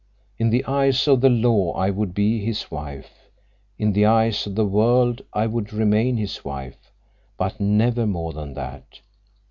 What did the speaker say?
In the eyes of the law I would be his wife; in the eyes of the world I would remain his wife—but never more than that.